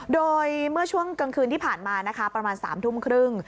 โดยเมื่อช่วงกลางคืนที่ผ่านมานะคะประมาณ๓ทุ่มครึ่ง